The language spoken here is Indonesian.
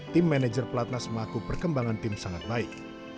tim manajer pelatnas mengaku perkembangan tim sangat baik